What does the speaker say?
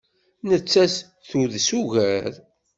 Nettat tudes ugar.